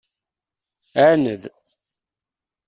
Ɛaned.